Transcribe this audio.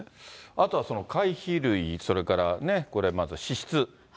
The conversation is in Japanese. あとは会費類、それから、これまず支出。